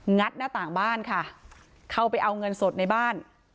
ัดหน้าต่างบ้านค่ะเข้าไปเอาเงินสดในบ้าน